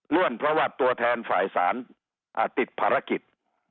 ร่วมเพราะว่าตัวแทนฝ่ายศาลติดภารกิจ